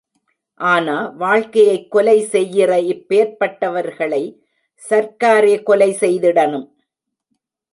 ஆனா, வாழ்க்கையைக் கொலை செய்யிற இப்பேர்ப்பட்டவர்களை சர்க்காரே கொலை செய்திடனும்.